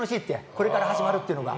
これから始まるっていうのが。